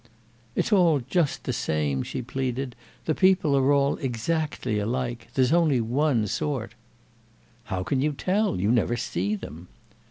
"It's all just the same," she pleaded. "The people are all exactly alike. There's only one sort." "How can you tell? You never see them."